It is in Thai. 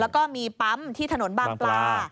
แล้วก็มีปั๊มที่ถนนบางปลา